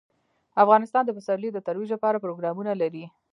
افغانستان د پسرلی د ترویج لپاره پروګرامونه لري.